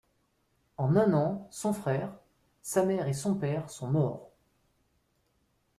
En un an, son frère, sa mère et son père sont morts.